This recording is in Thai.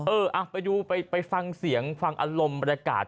เออไปดูไปฟังเสียงฟังอารมณ์บรรยากาศ